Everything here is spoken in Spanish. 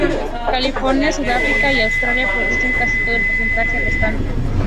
California, Sudáfrica y Australia producen casi todo el porcentaje restante.